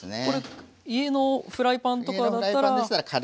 これ家のフライパンとかだったら。